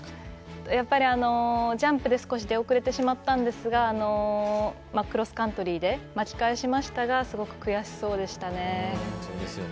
やっぱりジャンプで少し出遅れてしまったんですがクロスカントリーで巻き返しましたがすごく悔しそうでしたね。